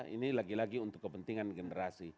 ini lagi lagi untuk kepentingan generasi